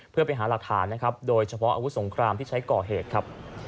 เพื่อไปหาหลักฐานนะครับโดยเฉพาะอาวุธสงครามที่ใช้ก่อเหตุครับ